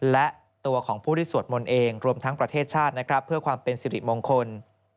และตัวของผู้ที่สวดมนต์เองรวมทั้งประเทศชาตินะครับเพื่อความเป็นสิริมงคล